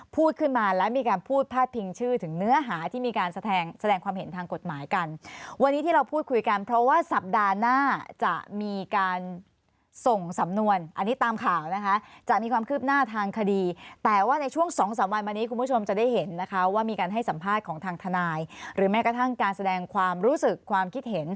พูดขึ้นมาและมีการพูดพาดพิงชื่อถึงเนื้อหาที่มีการแสดงแสดงความเห็นทางกฎหมายกันวันนี้ที่เราพูดคุยกันเพราะว่าสัปดาห์หน้าจะมีการส่งสำนวนอันนี้ตามข่าวนะคะจะมีความคืบหน้าทางคดีแต่ว่าในช่วงสองสามวันมานี้คุณผู้ชมจะได้เห็นนะคะว่ามีการให้สัมภาษณ์ของทางทนายหรือแม้กระทั่งการแสดงความรู้สึกความคิดเห็น